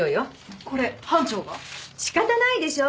仕方ないでしょ。